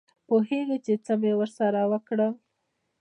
پوهېږې چې څه مې ورسره وکړل.